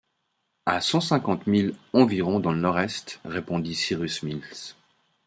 À cent cinquante milles environ dans le nord-est, répondit Cyrus Smith